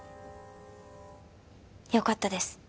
よかったです